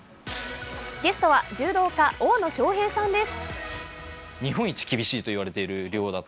ゲストは柔道家・大野将平さんです